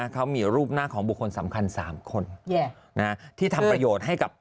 เขามีรูปหน้าของบุคคลสำคัญ๓คนที่ทำประโยชน์ให้กับ